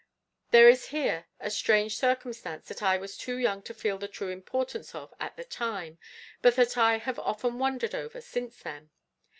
There is here a strange circumstance that I was too young to feel the true importance of at the time, but that I have often wondered over since then.